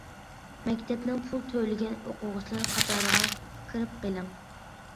مەكتەپنىڭ پۇل تۆلىگەن ئوقۇغۇچىلار قاتارىغا كىرىپ قېلىڭ.